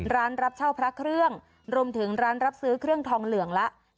รับเช่าพระเครื่องรวมถึงร้านรับซื้อเครื่องทองเหลืองละ